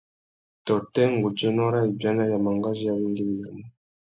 Tôtê ngudzénô râ ibiana ya mangazú i awéngüéwinamú?